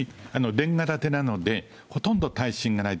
れんが建てなので、ほとんど耐震がないと。